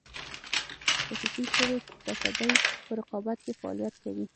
خصوصي شوې تصدۍ په رقابت کې فعالیت کوي.